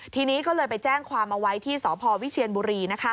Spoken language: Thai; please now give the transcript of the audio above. ทีนี้ก็เลยไปแจ้งความเอาไว้ที่สพวิเชียนบุรี